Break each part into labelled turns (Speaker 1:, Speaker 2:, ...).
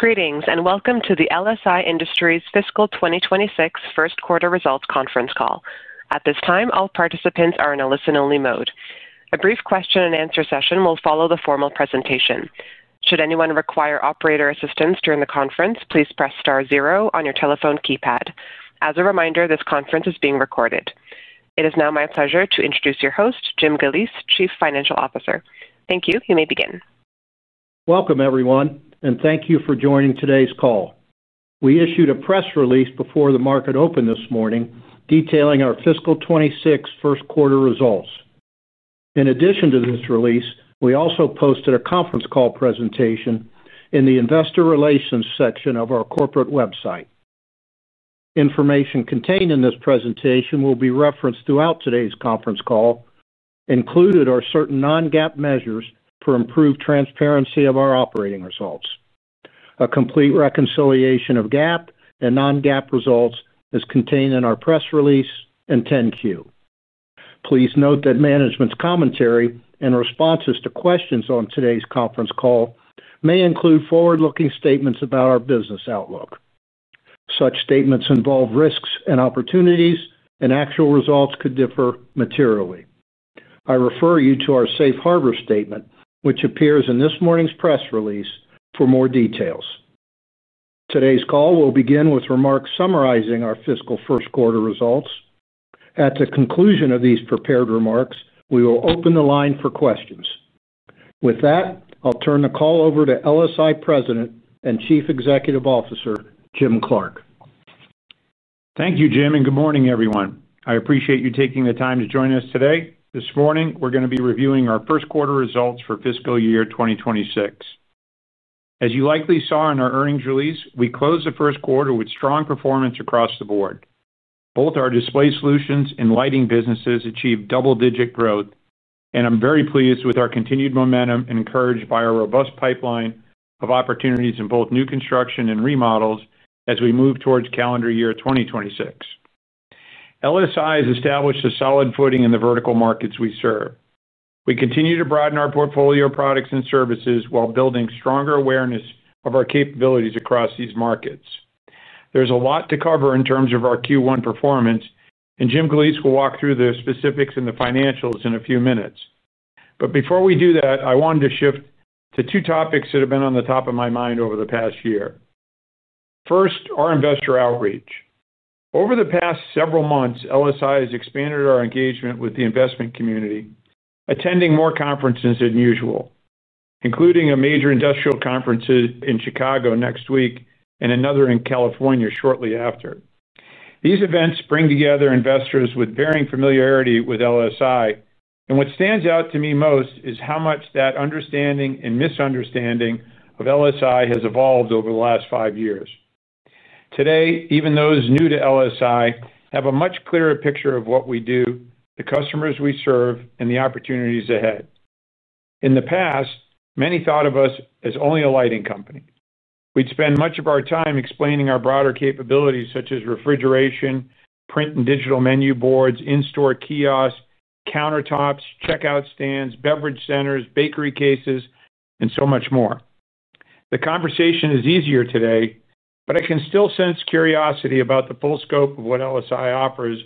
Speaker 1: Greetings and welcome to the LSI Industries Fiscal 2026 First Quarter Results Conference call. At this time, all participants are in a listen-only mode. A brief question-and-answer session will follow the formal presentation. Should anyone require operator assistance during the conference, please press star zero on your telephone keypad. As a reminder, this conference is being recorded. It is now my pleasure to introduce your host, Jim Galeese, Chief Financial Officer. Thank you. You may begin.
Speaker 2: Welcome, everyone, and thank you for joining today's call. We issued a press release before the market opened this morning detailing our Fiscal 2026 First Quarter results. In addition to this release, we also posted a conference call presentation in the Investor Relations section of our corporate website. Information contained in this presentation will be referenced throughout today's conference call. Included are certain non-GAAP measures for improved transparency of our operating results. A complete reconciliation of GAAP and non-GAAP results is contained in our press release and 10-Q. Please note that management's commentary and responses to questions on today's conference call may include forward-looking statements about our business outlook. Such statements involve risks and opportunities, and actual results could differ materially. I refer you to our safe harbor statement, which appears in this morning's press release, for more details. Today's call will begin with remarks summarizing our Fiscal First Quarter results. At the conclusion of these prepared remarks, we will open the line for questions. With that, I'll turn the call over to LSI President and Chief Executive Officer, Jim Clark.
Speaker 3: Thank you, Jim, and good morning, everyone. I appreciate you taking the time to join us today. This morning, we're going to be reviewing our first quarter results for fiscal year 2026. As you likely saw in our earnings release, we closed the first quarter with strong performance across the board. Both our display solutions and lighting businesses achieved double-digit growth, and I'm very pleased with our continued momentum encouraged by our robust pipeline of opportunities in both new construction and remodels as we move towards calendar year 2026. LSI has established a solid footing in the vertical markets we serve. We continue to broaden our portfolio of products and services while building stronger awareness of our capabilities across these markets. There's a lot to cover in terms of our Q1 performance, and Jim Galeese will walk through the specifics and the financials in a few minutes. Before we do that, I wanted to shift to two topics that have been on the top of my mind over the past year. First, our investor outreach. Over the past several months, LSI has expanded our engagement with the investment community, attending more conferences than usual, including a major industrial conference in Chicago next week and another in California shortly after. These events bring together investors with varying familiarity with LSI, and what stands out to me most is how much that understanding and misunderstanding of LSI has evolved over the last five years. Today, even those new to LSI have a much clearer picture of what we do, the customers we serve, and the opportunities ahead. In the past, many thought of us as only a lighting company. We'd spend much of our time explaining our broader capabilities, such as refrigeration, print and digital menu boards, in-store kiosks, countertops, checkout stands, beverage centers, bakery cases, and so much more. The conversation is easier today, but I can still sense curiosity about the full scope of what LSI offers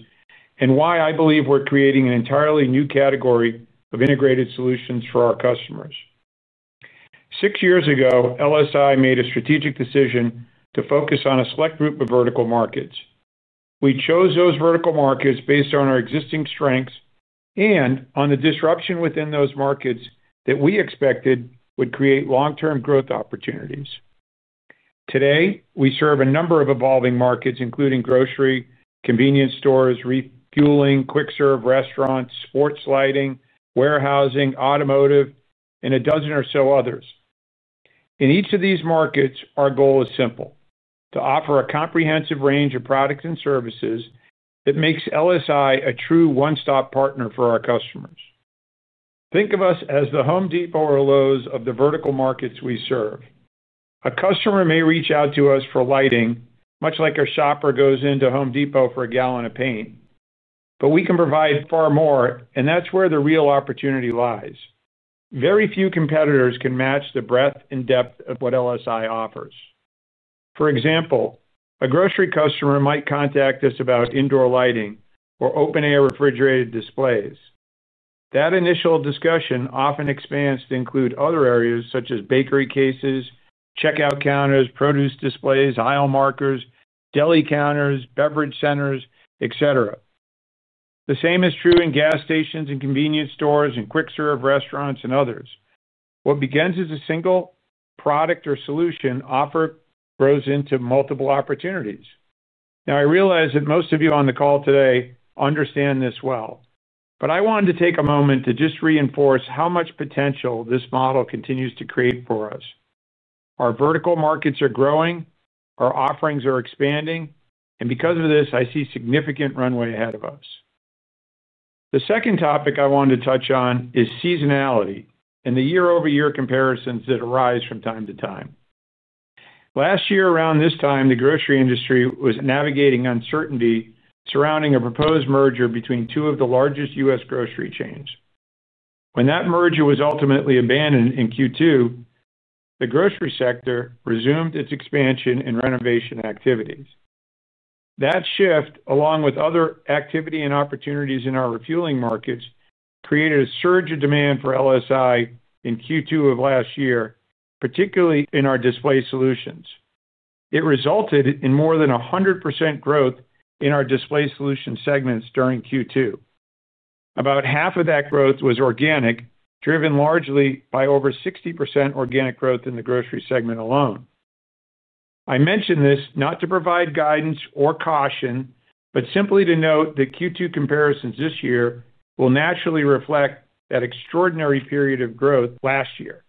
Speaker 3: and why I believe we're creating an entirely new category of integrated solutions for our customers. Six years ago, LSI made a strategic decision to focus on a select group of vertical markets. We chose those vertical markets based on our existing strengths and on the disruption within those markets that we expected would create long-term growth opportunities. Today, we serve a number of evolving markets, including grocery, convenience stores, refueling, quick-serve restaurants, sports lighting, warehousing, automotive, and a dozen or so others. In each of these markets, our goal is simple: to offer a comprehensive range of products and services that makes LSI a true one-stop partner for our customers. Think of us as the Home Depot or Lowe's of the vertical markets we serve. A customer may reach out to us for lighting, much like a shopper goes into Home Depot for a gallon of paint. We can provide far more, and that's where the real opportunity lies. Very few competitors can match the breadth and depth of what LSI offers. For example, a grocery customer might contact us about indoor lighting or open-air refrigerated displays. That initial discussion often expands to include other areas such as bakery cases, checkout stands, produce displays, aisle markers, deli counters, beverage centers, etc. The same is true in gas stations and convenience stores and quick-serve restaurants and others. What begins as a single product or solution often grows into multiple opportunities. Now, I realize that most of you on the call today understand this well, but I wanted to take a moment to just reinforce how much potential this model continues to create for us. Our vertical markets are growing, our offerings are expanding, and because of this, I see significant runway ahead of us. The second topic I wanted to touch on is seasonality and the year-over-year comparisons that arise from time to time. Last year, around this time, the grocery industry was navigating uncertainty surrounding a proposed merger between two of the largest U.S. grocery chains. When that merger was ultimately abandoned in Q2, the grocery sector resumed its expansion and renovation activities. That shift, along with other activity and opportunities in our refueling markets, created a surge of demand for LSI in Q2 of last year, particularly in our display solutions. It resulted in more than 100% growth in our display solutions segment during Q2. About half of that growth was organic, driven largely by over 60% organic growth in the grocery segment alone. I mention this not to provide guidance or caution, but simply to note that Q2 comparisons this year will naturally reflect that extraordinary period of growth last year.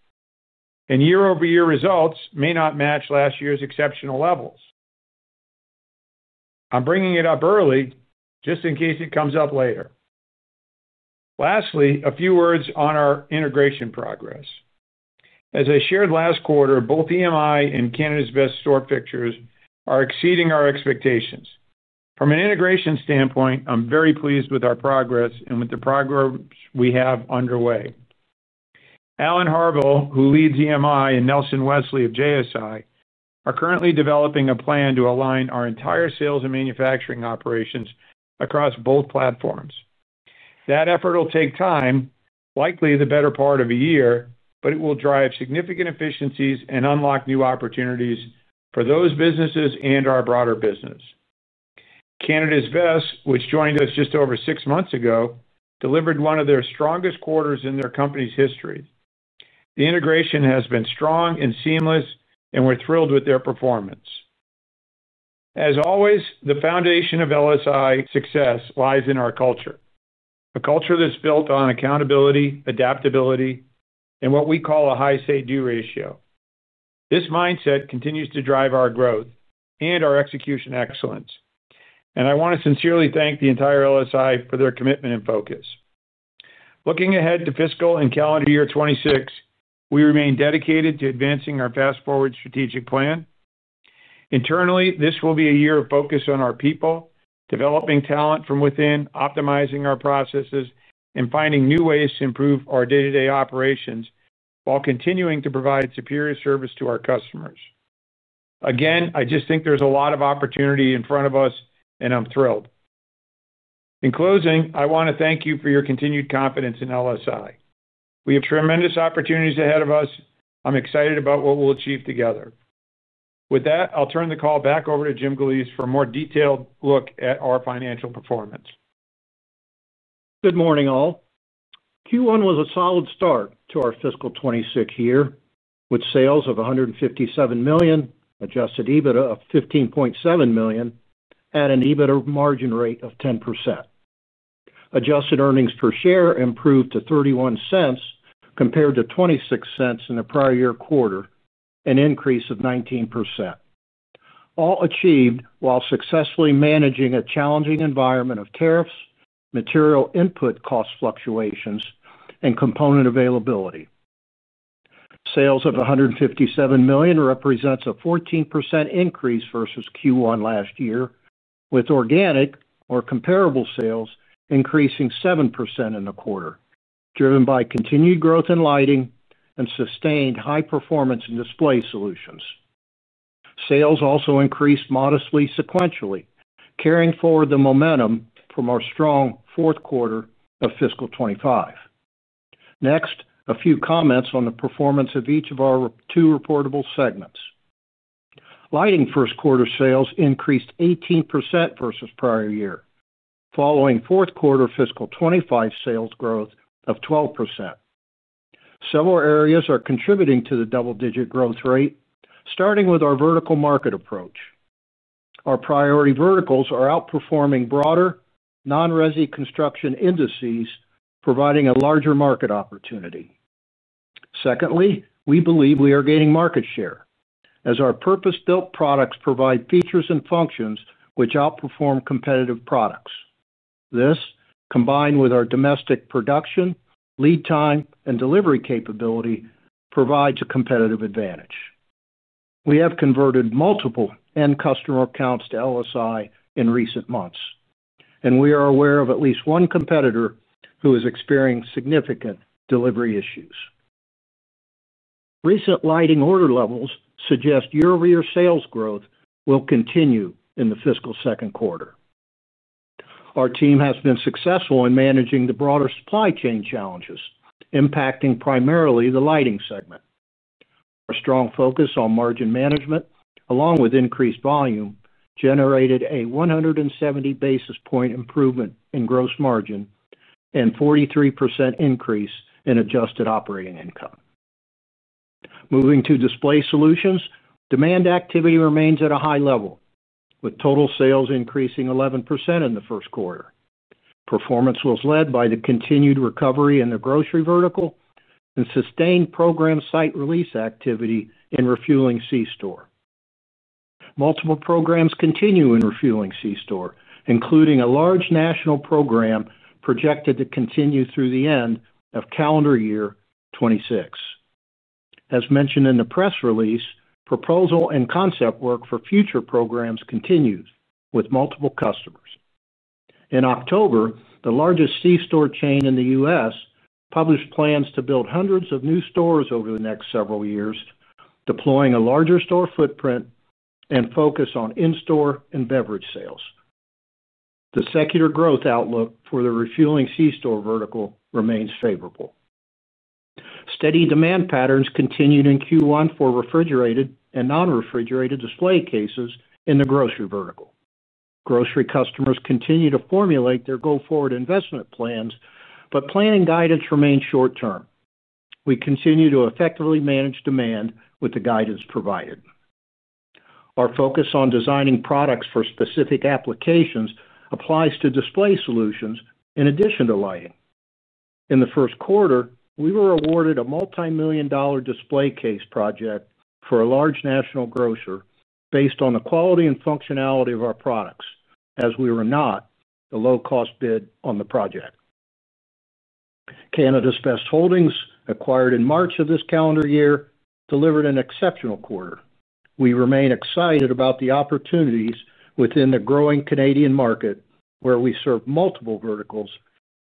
Speaker 3: Year-over-year results may not match last year's exceptional levels. I'm bringing it up early just in case it comes up later. Lastly, a few words on our integration progress. As I shared last quarter, both EMI and Canada's Best Store Fixtures are exceeding our expectations. From an integration standpoint, I'm very pleased with our progress and with the progress we have underway. Alan Harvell, who leads EMI, and Nelson Wesley of JSI are currently developing a plan to align our entire sales and manufacturing operations across both platforms. That effort will take time, likely the better part of a year, but it will drive significant efficiencies and unlock new opportunities for those businesses and our broader business. Canada's Best, which joined us just over six months ago, delivered one of their strongest quarters in their company's history. The integration has been strong and seamless, and we're thrilled with their performance. As always, the foundation of LSI success lies in our culture, a culture that's built on accountability, adaptability, and what we call a high say-do ratio. This mindset continues to drive our growth and our execution excellence. I want to sincerely thank the entire LSI for their commitment and focus. Looking ahead to fiscal and calendar year 2026, we remain dedicated to advancing our fast-forward strategic plan. Internally, this will be a year of focus on our people, developing talent from within, optimizing our processes, and finding new ways to improve our day-to-day operations while continuing to provide superior service to our customers. Again, I just think there's a lot of opportunity in front of us, and I'm thrilled. In closing, I want to thank you for your continued confidence in LSI. We have tremendous opportunities ahead of us. I'm excited about what we'll achieve together. With that, I'll turn the call back over to Jim Galeese for a more detailed look at our financial performance.
Speaker 2: Good morning, all. Q1 was a solid start to our fiscal 2026 year with sales of $157 million, adjusted EBITDA of $15.7 million, and an EBITDA margin rate of 10%. Adjusted earnings per share improved to $0.31 compared to $0.26 in the prior year quarter, an increase of 19%. All achieved while successfully managing a challenging environment of tariffs, material input cost fluctuations, and component availability. Sales of $157 million represents a 14% increase versus Q1 last year, with organic or comparable sales increasing 7% in the quarter, driven by continued growth in lighting and sustained high-performance display solutions. Sales also increased modestly sequentially, carrying forward the momentum from our strong fourth quarter of fiscal 2025. Next, a few comments on the performance of each of our two reportable segments. Lighting first quarter sales increased 18% versus prior year, following fourth quarter fiscal 2025 sales growth of 12%. Several areas are contributing to the double-digit growth rate, starting with our vertical market approach. Our priority verticals are outperforming broader non-resi construction indices, providing a larger market opportunity. Secondly, we believe we are gaining market share as our purpose-built products provide features and functions which outperform competitive products. This, combined with our domestic production, lead time, and delivery capability, provides a competitive advantage. We have converted multiple end customer accounts to LSI in recent months, and we are aware of at least one competitor who is experiencing significant delivery issues. Recent lighting order levels suggest year-over-year sales growth will continue in the fiscal second quarter. Our team has been successful in managing the broader supply chain challenges impacting primarily the lighting segment. Our strong focus on margin management, along with increased volume, generated a 170 basis point improvement in gross margin and a 43% increase in adjusted operating income. Moving to display solutions, demand activity remains at a high level, with total sales increasing 11% in the first quarter. Performance was led by the continued recovery in the grocery vertical and sustained program site release activity in refueling c-store. Multiple programs continue in refueling c-store, including a large national program projected to continue through the end of calendar year 2026. As mentioned in the press release, proposal and concept work for future programs continues with multiple customers. In October, the largest c-store chain in the U.S. published plans to build hundreds of new stores over the next several years, deploying a larger store footprint and focus on in-store and beverage sales. The secular growth outlook for the refueling c-store vertical remains favorable. Steady demand patterns continued in Q1 for refrigerated and non-refrigerated display cases in the grocery vertical. Grocery customers continue to formulate their go-forward investment plans, but planning guidance remains short-term. We continue to effectively manage demand with the guidance provided. Our focus on designing products for specific applications applies to display solutions in addition to lighting. In the first quarter, we were awarded a multi-million dollar display case project for a large national grocer based on the quality and functionality of our products, as we were not the low-cost bid on the project. Canada's Best Holdings, acquired in March of this calendar year, delivered an exceptional quarter. We remain excited about the opportunities within the growing Canadian market where we serve multiple verticals,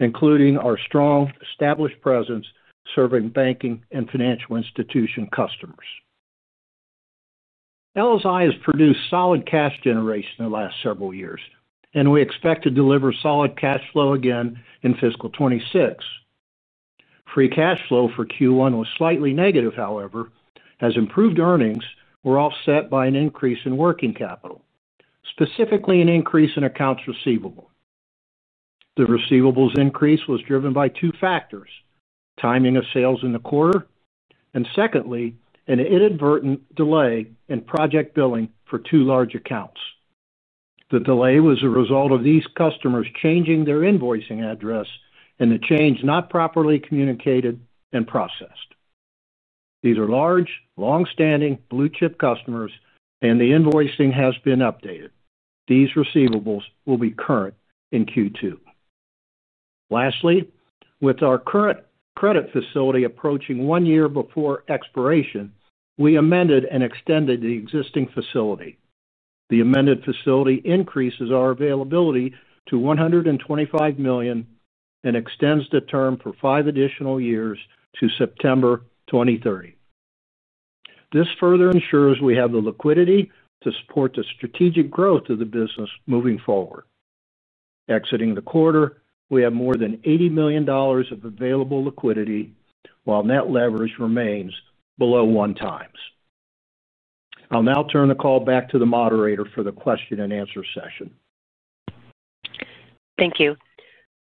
Speaker 2: including our strong established presence serving banking and financial institution customers. LSI has produced solid cash generation in the last several years, and we expect to deliver solid cash flow again in fiscal 2026. Free cash flow for Q1 was slightly negative, however, as improved earnings were offset by an increase in working capital, specifically an increase in accounts receivable. The receivables increase was driven by two factors: timing of sales in the quarter, and secondly, an inadvertent delay in project billing for two large accounts. The delay was a result of these customers changing their invoicing address and the change not properly communicated and processed. These are large, long-standing blue-chip customers, and the invoicing has been updated. These receivables will be current in Q2. Lastly, with our current credit facility approaching one year before expiration, we amended and extended the existing facility. The amended facility increases our availability to $125 million and extends the term for five additional years to September 2030. This further ensures we have the liquidity to support the strategic growth of the business moving forward. Exiting the quarter, we have more than $80 million of available liquidity, while net leverage remains below one times. I'll now turn the call back to the moderator for the question-and-answer session.
Speaker 1: Thank you.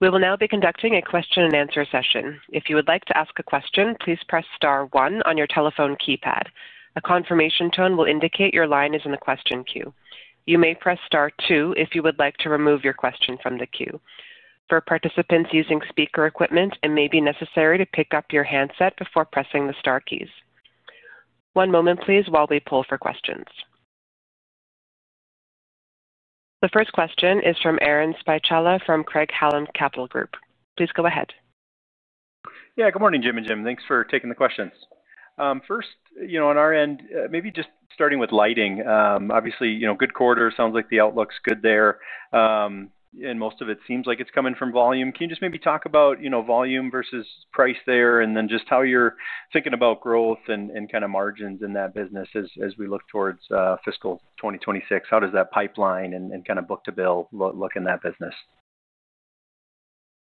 Speaker 1: We will now be conducting a question-and-answer session. If you would like to ask a question, please press star one on your telephone keypad. A confirmation tone will indicate your line is in the question queue. You may press star two if you would like to remove your question from the queue. For participants using speaker equipment, it may be necessary to pick up your handset before pressing the star keys. One moment, please, while we pull for questions. The first question is from Aaron Spychalla from Craig-Hallum Capital Group. Please go ahead.
Speaker 4: Yeah, good morning, Jim and Jim. Thanks for taking the questions. First, on our end, maybe just starting with lighting. Obviously, good quarter, sounds like the outlook's good there. Most of it seems like it's coming from volume. Can you just maybe talk about volume versus price there and then just how you're thinking about growth and kind of margins in that business as we look towards fiscal 2026? How does that pipeline and kind of book-to-bill look in that business?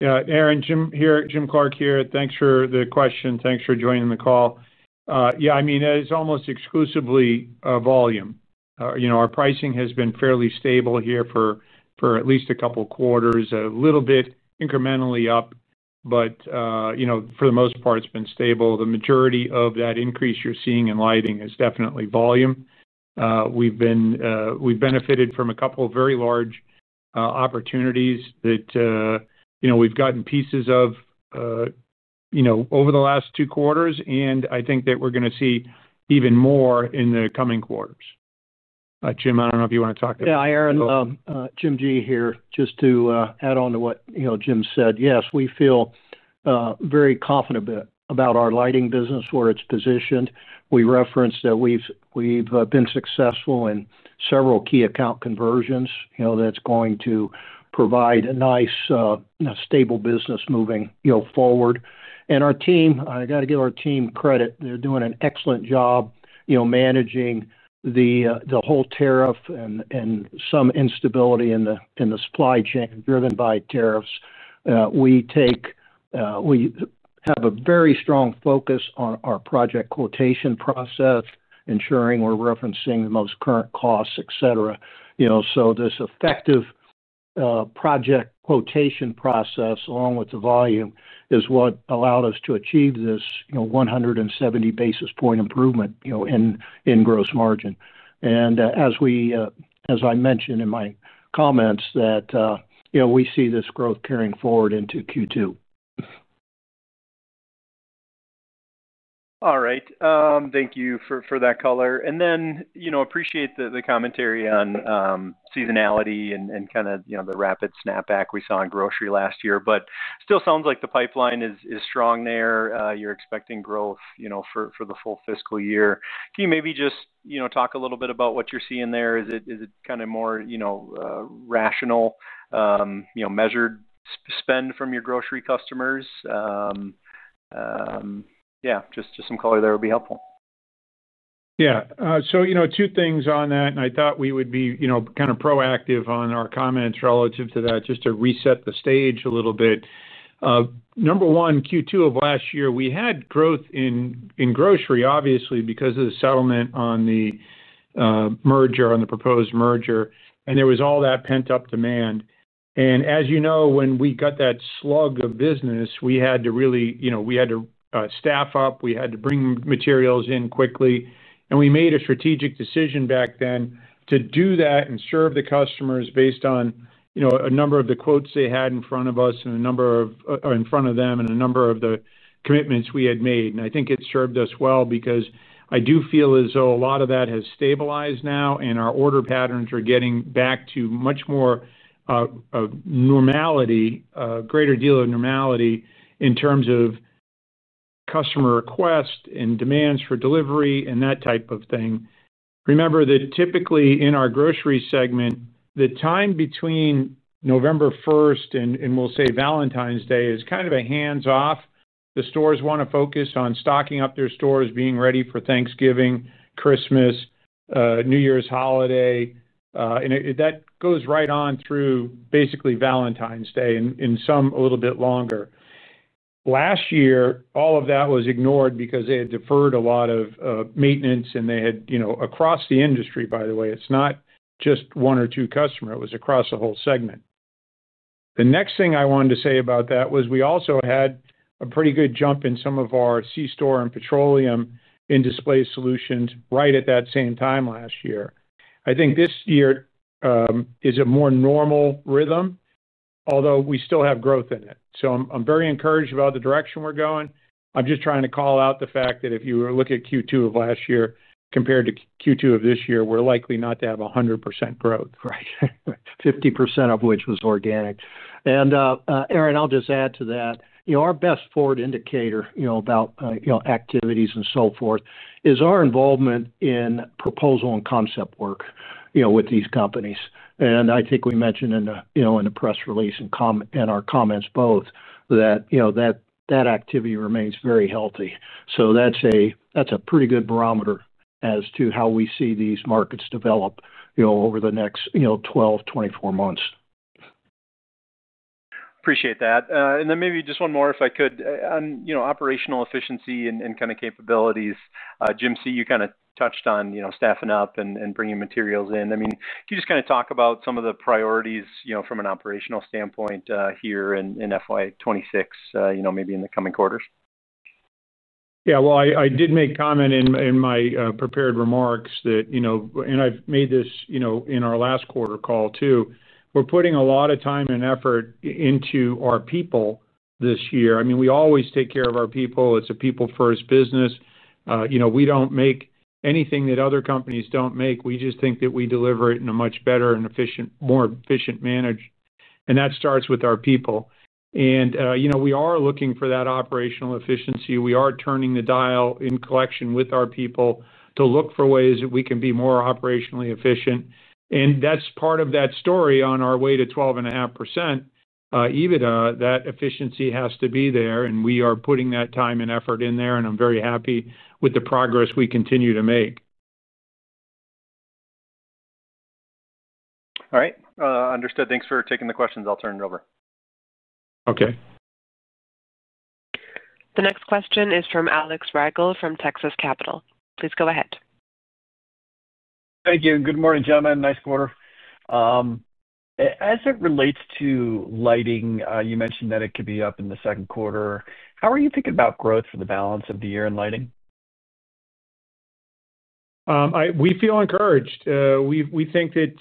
Speaker 3: Yeah, Aaron, Jim here, Jim Clark here. Thanks for the question. Thanks for joining the call. Yeah, I mean, it's almost exclusively volume. Our pricing has been fairly stable here for at least a couple of quarters, a little bit incrementally up, but for the most part, it's been stable. The majority of that increase you're seeing in lighting is definitely volume. We've benefited from a couple of very large opportunities that we've gotten pieces of over the last two quarters, and I think that we're going to see even more in the coming quarters. Jim, I don't know if you want to talk to us.
Speaker 2: Yeah, Aaron, Jim G here. Just to add on to what Jim said, yes, we feel very confident about our lighting business, where it's positioned. We referenced that we've been successful in several key account conversions. That's going to provide a nice, stable business moving forward. And our team, I got to give our team credit. They're doing an excellent job managing the whole tariff and some instability in the supply chain driven by tariffs. We have a very strong focus on our project quotation process, ensuring we're referencing the most current costs, etc. This effective project quotation process, along with the volume, is what allowed us to achieve this 170 basis point improvement in gross margin. As I mentioned in my comments, we see this growth carrying forward into Q2.
Speaker 4: All right. Thank you for that color. I appreciate the commentary on seasonality and kind of the rapid snapback we saw in grocery last year, but it still sounds like the pipeline is strong there. You're expecting growth for the full fiscal year. Can you maybe just talk a little bit about what you're seeing there? Is it kind of more rational, measured spend from your grocery customers? Yeah, just some color there would be helpful.
Speaker 3: Yeah. Two things on that, and I thought we would be kind of proactive on our comments relative to that just to reset the stage a little bit. Number one, Q2 of last year, we had growth in grocery, obviously, because of the settlement on the merger on the proposed merger, and there was all that pent-up demand. As you know, when we got that slug of business, we had to really—we had to staff up. We had to bring materials in quickly. We made a strategic decision back then to do that and serve the customers based on a number of the quotes they had in front of us and a number of—in front of them and a number of the commitments we had made. I think it served us well because I do feel as though a lot of that has stabilized now, and our order patterns are getting back to much more normality, a greater deal of normality in terms of customer requests and demands for delivery and that type of thing. Remember that typically in our grocery segment, the time between November 1 and we'll say Valentine's Day is kind of a hands-off. The stores want to focus on stocking up their stores, being ready for Thanksgiving, Christmas, New Year's holiday. That goes right on through basically Valentine's Day and some a little bit longer. Last year, all of that was ignored because they had deferred a lot of maintenance, and they had—across the industry, by the way, it's not just one or two customers. It was across the whole segment. The next thing I wanted to say about that was we also had a pretty good jump in some of our c-store and petroleum in display solutions right at that same time last year. I think this year is a more normal rhythm, although we still have growth in it. I am very encouraged about the direction we are going. I am just trying to call out the fact that if you were to look at Q2 of last year compared to Q2 of this year, we are likely not to have 100% growth.
Speaker 2: Right. 50% of which was organic. Aaron, I'll just add to that. Our best forward indicator about activities and so forth is our involvement in proposal and concept work with these companies. I think we mentioned in the press release and our comments both that that activity remains very healthy. That's a pretty good barometer as to how we see these markets develop over the next 12, 24 months.
Speaker 4: Appreciate that. Maybe just one more, if I could, on operational efficiency and kind of capabilities. Jim C, you kind of touched on staffing up and bringing materials in. I mean, can you just kind of talk about some of the priorities from an operational standpoint here in FY2026, maybe in the coming quarters?
Speaker 3: Yeah, I did make a comment in my prepared remarks that—I have made this in our last quarter call too—we are putting a lot of time and effort into our people this year. I mean, we always take care of our people. It is a people-first business. We do not make anything that other companies do not make. We just think that we deliver it in a much better and more efficient manner. That starts with our people. We are looking for that operational efficiency. We are turning the dial in collection with our people to look for ways that we can be more operationally efficient. That is part of that story on our way to 12.5%. EBITDA, that efficiency has to be there, and we are putting that time and effort in there, and I am very happy with the progress we continue to make.
Speaker 4: All right. Understood. Thanks for taking the questions. I'll turn it over.
Speaker 3: Okay.
Speaker 1: The next question is from Alex Rigel from Texas Capital. Please go ahead.
Speaker 5: Thank you. Good morning, gentlemen. Nice quarter. As it relates to lighting, you mentioned that it could be up in the second quarter. How are you thinking about growth for the balance of the year in lighting?
Speaker 3: We feel encouraged. We think that.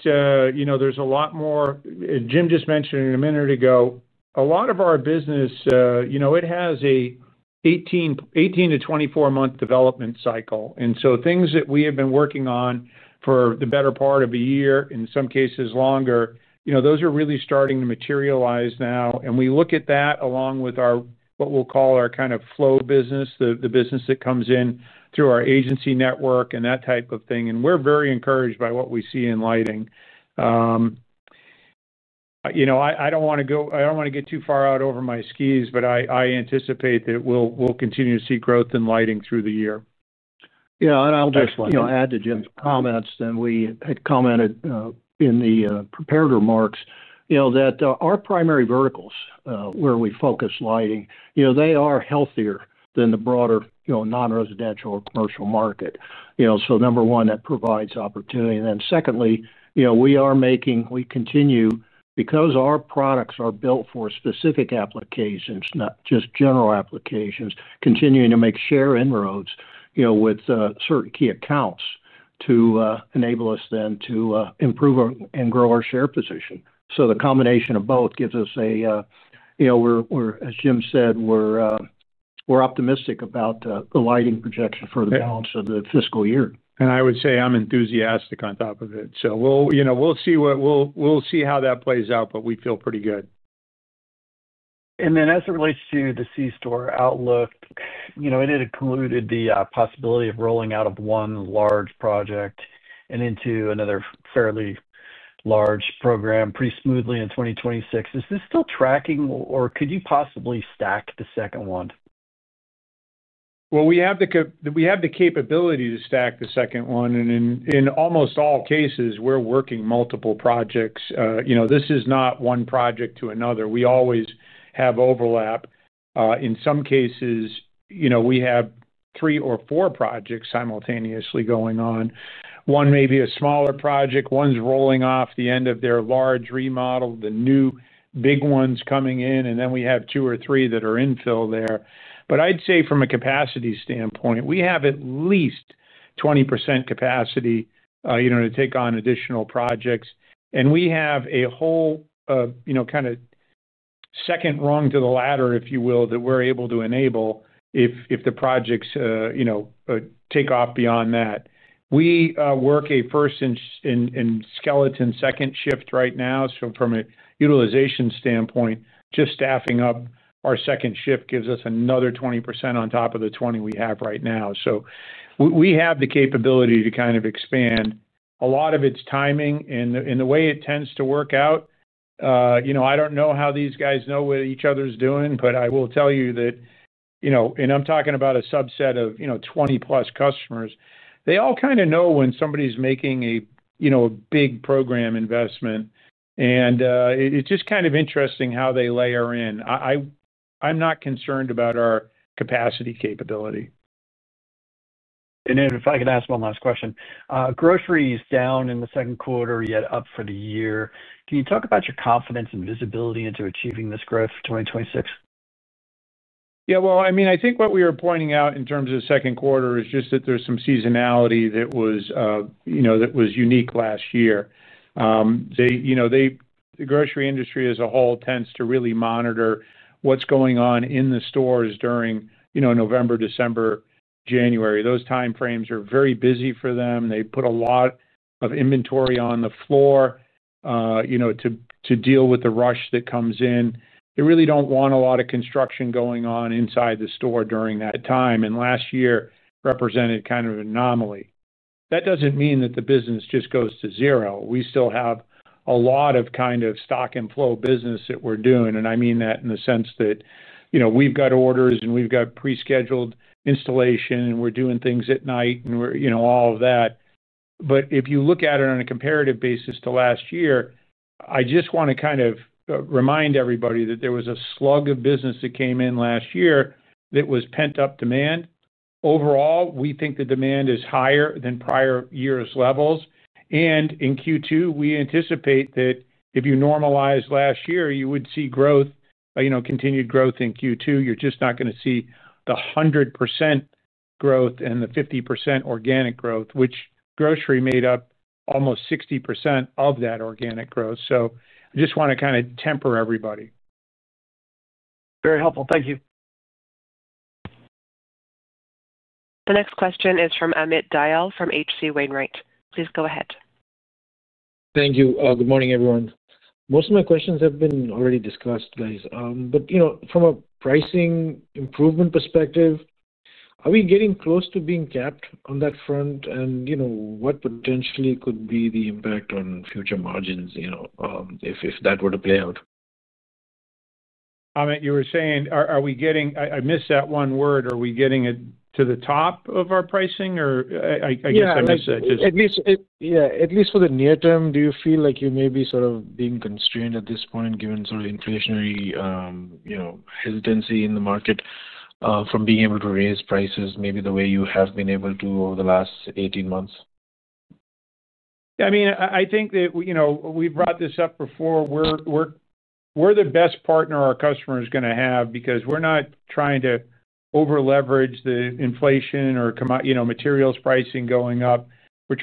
Speaker 3: There is a lot more—Jim just mentioned a minute ago—a lot of our business. It has an 18-24 month development cycle. Things that we have been working on for the better part of a year, in some cases longer, those are really starting to materialize now. We look at that along with what we will call our kind of flow business, the business that comes in through our agency network and that type of thing. We are very encouraged by what we see in lighting. I do not want to go—I do not want to get too far out over my skis, but I anticipate that we will continue to see growth in lighting through the year.
Speaker 2: Yeah, and I'll just add to Jim's comments that we had commented in the prepared remarks that our primary verticals where we focus lighting, they are healthier than the broader non-residential or commercial market. Number one, that provides opportunity. Secondly, we are making—we continue, because our products are built for specific applications, not just general applications, continuing to make share inroads with certain key accounts to enable us then to improve and grow our share position. The combination of both gives us a—as Jim said, we're optimistic about the lighting projection for the balance of the fiscal year.
Speaker 3: I would say I'm enthusiastic on top of it. We'll see what—we'll see how that plays out, but we feel pretty good.
Speaker 5: As it relates to the c-store outlook, it had included the possibility of rolling out of one large project and into another fairly large program pretty smoothly in 2026. Is this still tracking, or could you possibly stack the second one?
Speaker 3: We have the capability to stack the second one. In almost all cases, we're working multiple projects. This is not one project to another. We always have overlap. In some cases, we have three or four projects simultaneously going on. One may be a smaller project. One's rolling off the end of their large remodel, the new big one's coming in, and then we have two or three that are infill there. I'd say from a capacity standpoint, we have at least 20% capacity to take on additional projects. We have a whole kind of second rung to the ladder, if you will, that we're able to enable if the projects take off beyond that. We work a first and skeleton second shift right now. From a utilization standpoint, just staffing up our second shift gives us another 20% on top of the 20% we have right now. We have the capability to kind of expand. A lot of it is timing and the way it tends to work out. I do not know how these guys know what each other is doing, but I will tell you that—I am talking about a subset of 20+ customers. They all kind of know when somebody is making a big program investment. It is just kind of interesting how they layer in. I am not concerned about our capacity capability.
Speaker 5: If I can ask one last question, grocery is down in the second quarter, yet up for the year. Can you talk about your confidence and visibility into achieving this growth for 2026?
Speaker 3: Yeah, I mean, I think what we were pointing out in terms of the second quarter is just that there's some seasonality that was unique last year. The grocery industry as a whole tends to really monitor what's going on in the stores during November, December, January. Those time frames are very busy for them. They put a lot of inventory on the floor to deal with the rush that comes in. They really don't want a lot of construction going on inside the store during that time. Last year represented kind of an anomaly. That doesn't mean that the business just goes to zero. We still have a lot of kind of stock and flow business that we're doing. I mean that in the sense that we've got orders and we've got pre-scheduled installation, and we're doing things at night and all of that. If you look at it on a comparative basis to last year, I just want to kind of remind everybody that there was a slug of business that came in last year that was pent-up demand. Overall, we think the demand is higher than prior year's levels. In Q2, we anticipate that if you normalize last year, you would see growth, continued growth in Q2. You're just not going to see the 100% growth and the 50% organic growth, which grocery made up almost 60% of that organic growth. I just want to kind of temper everybody.
Speaker 5: Very helpful. Thank you.
Speaker 1: The next question is from Amit Dayal from HC Wainwright. Please go ahead.
Speaker 6: Thank you. Good morning, everyone. Most of my questions have been already discussed, guys. From a pricing improvement perspective, are we getting close to being capped on that front? What potentially could be the impact on future margins if that were to play out?
Speaker 3: Amit, you were saying, are we getting—I missed that one word. Are we getting to the top of our pricing? Or I guess I missed that.
Speaker 6: Yes. Yeah. At least for the near term, do you feel like you may be sort of being constrained at this point given sort of inflationary hesitancy in the market from being able to raise prices maybe the way you have been able to over the last 18 months?
Speaker 3: I mean, I think that we've brought this up before. We're the best partner our customer is going to have because we're not trying to over-leverage the inflation or materials pricing going up. We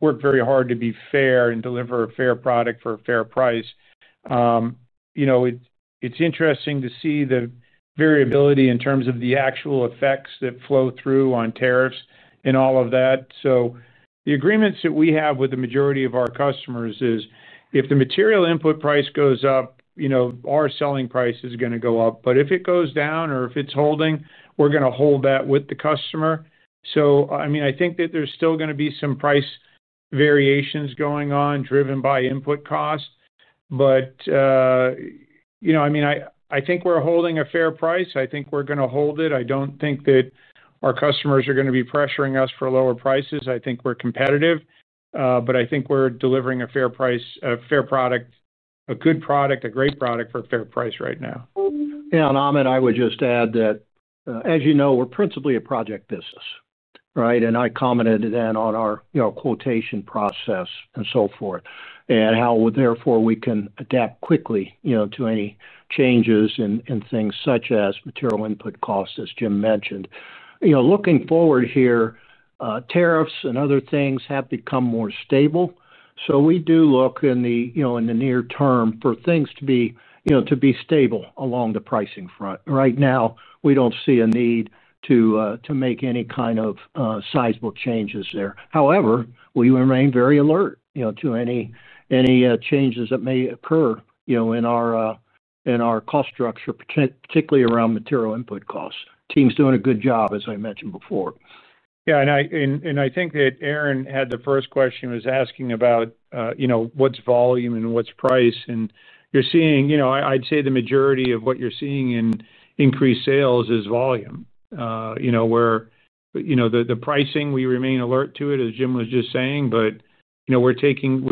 Speaker 3: work very hard to be fair and deliver a fair product for a fair price. It's interesting to see the variability in terms of the actual effects that flow through on tariffs and all of that. The agreements that we have with the majority of our customers is if the material input price goes up, our selling price is going to go up. If it goes down or if it's holding, we're going to hold that with the customer. I mean, I think that there's still going to be some price variations going on driven by input cost. I mean, I think we're holding a fair price. I think we're going to hold it. I don't think that our customers are going to be pressuring us for lower prices. I think we're competitive. I think we're delivering a fair price, a fair product, a good product, a great product for a fair price right now.
Speaker 2: Yeah. Amit, I would just add that, as you know, we're principally a project business, right? I commented then on our quotation process and so forth and how therefore we can adapt quickly to any changes in things such as material input costs, as Jim mentioned. Looking forward here, tariffs and other things have become more stable. We do look in the near term for things to be stable along the pricing front. Right now, we don't see a need to make any kind of sizable changes there. However, we remain very alert to any changes that may occur in our cost structure, particularly around material input costs. Team's doing a good job, as I mentioned before.
Speaker 3: Yeah. I think that Aaron had the first question, was asking about what's volume and what's price. You're seeing, I'd say the majority of what you're seeing in increased sales is volume, where the pricing, we remain alert to it, as Jim was just saying, but we're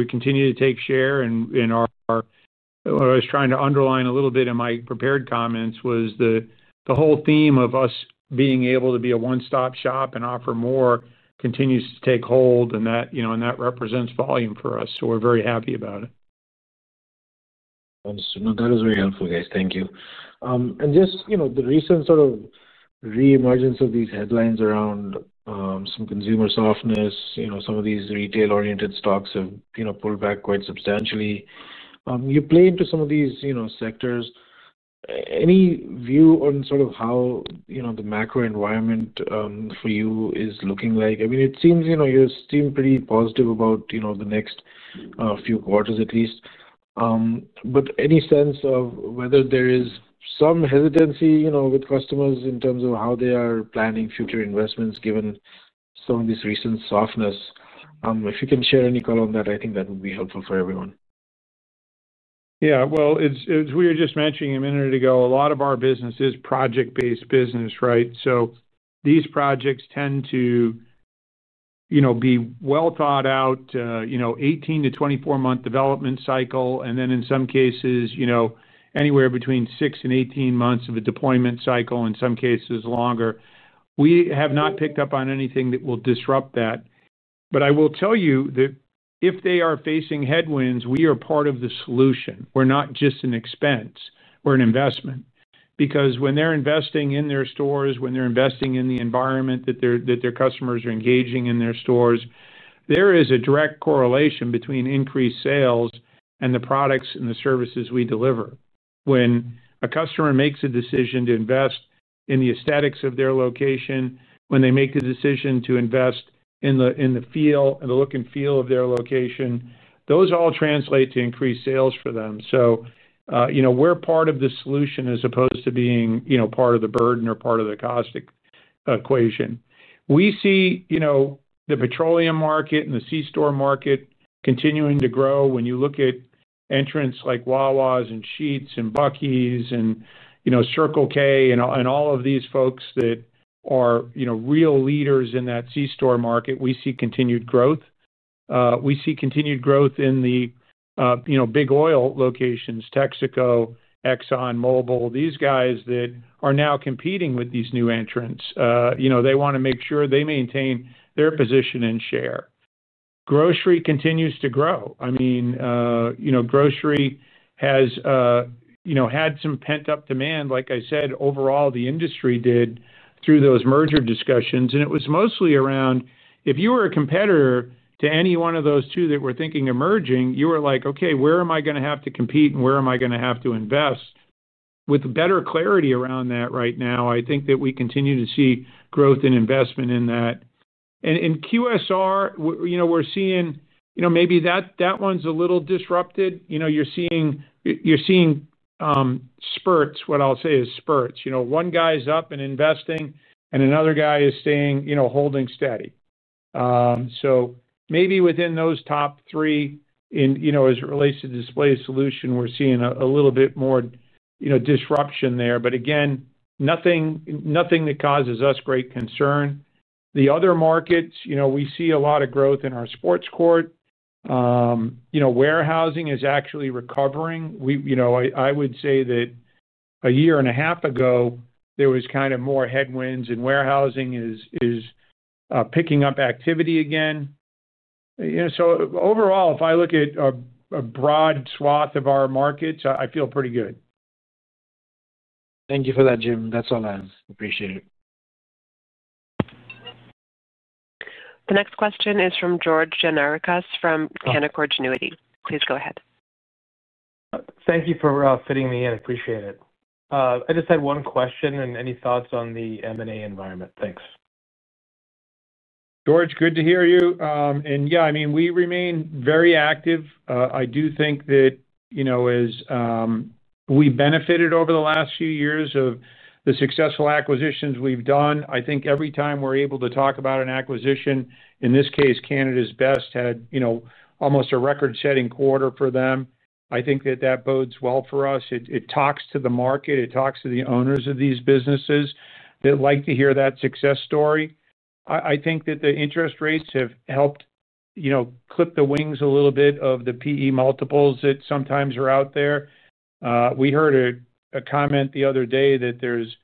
Speaker 3: continuing to take share in our—what I was trying to underline a little bit in my prepared comments was the whole theme of us being able to be a one-stop shop and offer more continues to take hold, and that represents volume for us. We are very happy about it.
Speaker 6: Understood. No, that is very helpful, guys. Thank you. Just the recent sort of re-emergence of these headlines around some consumer softness, some of these retail-oriented stocks have pulled back quite substantially. You play into some of these sectors. Any view on sort of how the macro environment for you is looking like? I mean, it seems you seem pretty positive about the next few quarters, at least. Any sense of whether there is some hesitancy with customers in terms of how they are planning future investments given some of this recent softness? If you can share any color on that, I think that would be helpful for everyone.
Speaker 3: Yeah. As we were just mentioning a minute ago, a lot of our business is project-based business, right? These projects tend to be well thought out, 18-24 month development cycle, and then in some cases anywhere between 6 and 18 months of a deployment cycle, in some cases longer. We have not picked up on anything that will disrupt that. I will tell you that if they are facing headwinds, we are part of the solution. We're not just an expense. We're an investment. Because when they're investing in their stores, when they're investing in the environment that their customers are engaging in their stores, there is a direct correlation between increased sales and the products and the services we deliver. When a customer makes a decision to invest in the aesthetics of their location, when they make the decision to invest in the feel and the look and feel of their location, those all translate to increased sales for them. We are part of the solution as opposed to being part of the burden or part of the cost equation. We see the petroleum market and the c-store market continuing to grow. When you look at entrants like Wawa and Sheetz and Buc-ee's and Circle K and all of these folks that are real leaders in that C-store market, we see continued growth. We see continued growth in the big oil locations, Texaco, Exxon, Mobil, these guys that are now competing with these new entrants. They want to make sure they maintain their position and share. Grocery continues to grow. I mean. Grocery has had some pent-up demand, like I said, overall the industry did through those merger discussions. It was mostly around if you were a competitor to any one of those two that were thinking of merging, you were like, "Okay, where am I going to have to compete and where am I going to have to invest?" With better clarity around that right now, I think that we continue to see growth and investment in that. In QSR, we're seeing maybe that one's a little disrupted. You're seeing spurts, what I'll say is spurts. One guy's up and investing, and another guy is staying holding steady. Maybe within those top three, as it relates to display solution, we're seeing a little bit more disruption there. Again, nothing that causes us great concern. The other markets, we see a lot of growth in our sports court. Warehousing is actually recovering. I would say that. A year and a half ago, there was kind of more headwinds, and warehousing is picking up activity again. Overall, if I look at a broad swath of our markets, I feel pretty good.
Speaker 6: Thank you for that, Jim. That's all I have. Appreciate it.
Speaker 1: The next question is from George Gianarikas from Canaccord Genuity. Please go ahead.
Speaker 7: Thank you for fitting me in. Appreciate it. I just had one question and any thoughts on the M&A environment. Thanks.
Speaker 3: George, good to hear you. Yeah, I mean, we remain very active. I do think that as we benefited over the last few years of the successful acquisitions we've done, I think every time we're able to talk about an acquisition, in this case, Canada's Best had almost a record-setting quarter for them. I think that that bodes well for us. It talks to the market. It talks to the owners of these businesses that like to hear that success story. I think that the interest rates have helped clip the wings a little bit of the P/E multiples that sometimes are out there. We heard a comment the other day that there's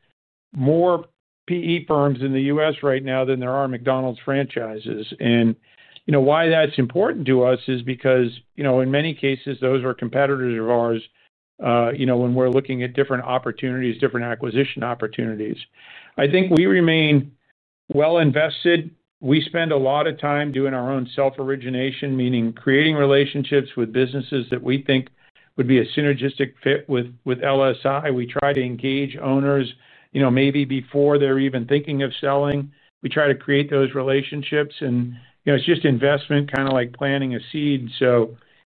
Speaker 3: more PE firms in the U.S. right now than there are McDonald's franchises. Why that's important to us is because in many cases, those are competitors of ours. When we're looking at different opportunities, different acquisition opportunities. I think we remain well invested. We spend a lot of time doing our own self-origination, meaning creating relationships with businesses that we think would be a synergistic fit with LSI. We try to engage owners maybe before they're even thinking of selling. We try to create those relationships. It's just investment, kind of like planting a seed.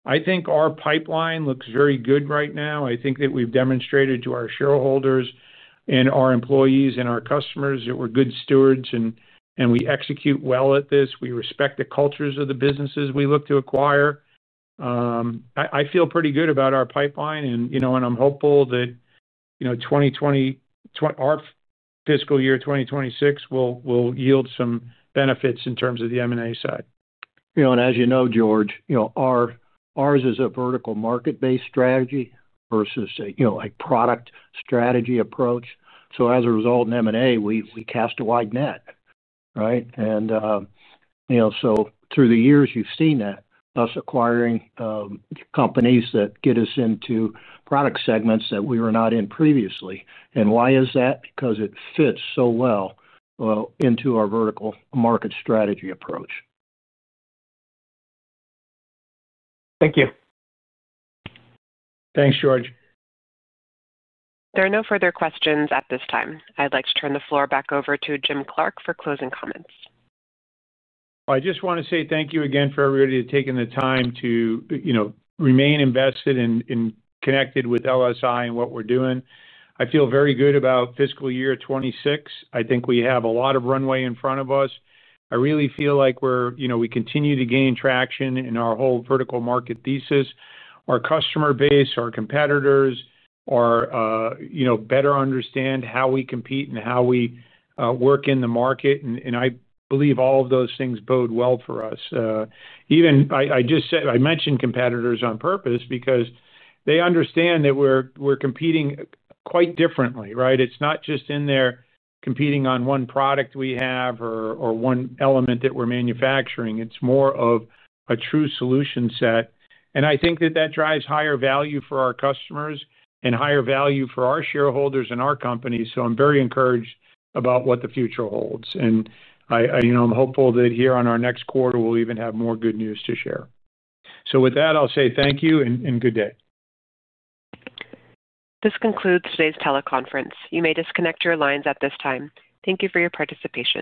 Speaker 3: I think our pipeline looks very good right now. I think that we've demonstrated to our shareholders and our employees and our customers that we're good stewards and we execute well at this. We respect the cultures of the businesses we look to acquire. I feel pretty good about our pipeline. I'm hopeful that our fiscal year 2026 will yield some benefits in terms of the M&A side.
Speaker 2: As you know, George, ours is a vertical market-based strategy versus a product strategy approach. As a result in M&A, we cast a wide net, right? Through the years, you've seen that, us acquiring companies that get us into product segments that we were not in previously. Why is that? Because it fits so well into our vertical market strategy approach.
Speaker 7: Thank you.
Speaker 3: Thanks, George.
Speaker 1: There are no further questions at this time. I'd like to turn the floor back over to Jim Clark for closing comments.
Speaker 3: I just want to say thank you again for everybody taking the time to remain invested and connected with LSI and what we're doing. I feel very good about fiscal year 2026. I think we have a lot of runway in front of us. I really feel like we continue to gain traction in our whole vertical market thesis. Our customer base, our competitors are better understand how we compete and how we work in the market. I believe all of those things bode well for us. I mentioned competitors on purpose because they understand that we're competing quite differently, right? It's not just in there competing on one product we have or one element that we're manufacturing. It's more of a true solution set. I think that that drives higher value for our customers and higher value for our shareholders and our company. I'm very encouraged about what the future holds. I'm hopeful that here on our next quarter, we'll even have more good news to share. With that, I'll say thank you and good day.
Speaker 1: This concludes today's teleconference. You may disconnect your lines at this time. Thank you for your participation.